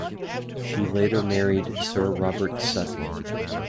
She later married Sir Robert Sutton.